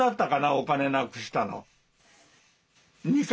お金なくしたの。